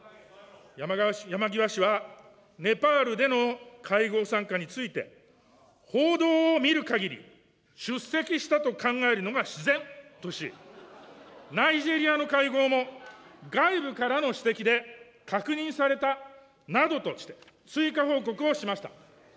山際氏は、ネパールでの会合参加について、報道を見るかぎり、出席したと考えるのが自然とし、ナイジェリアの会合も、外部からの指摘で確認されたなどとして、追加報告をしました。